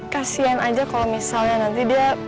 kasian aja kalau misalnya nanti dia